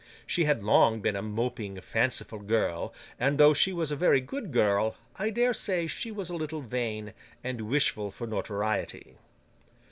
She had long been a moping, fanciful girl, and, though she was a very good girl, I dare say she was a little vain, and wishful for notoriety.